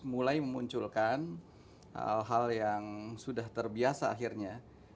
mulai memunculkan hal hal yang sudah terbiasa akhirnya